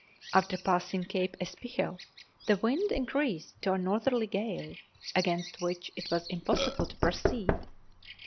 After passing Cape Espichel the wind increased to a northerly gale, against which it was impossible to proceed.